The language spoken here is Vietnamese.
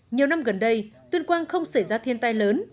nhiều năm gần đây tuyên quang không xảy ra thiên tai lớn